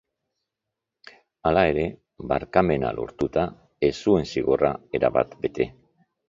Hala ere, barkamena lortuta, ez zuen zigorra erabat bete.